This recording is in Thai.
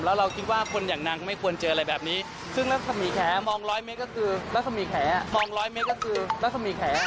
แล้วเราคิดว่าคนอย่างนางไม่ควรเจออะไรแบบนี้ซึ่งรัฐสมีแขมองร้อยเมก็คือรัฐสมีแข